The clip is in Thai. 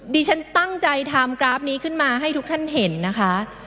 ดิฉันตั้งใจทำกราฟนี้ขึ้นมาให้ทุกท่านเห็นนะคะ